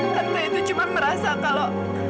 karena itu cuma merasa kalau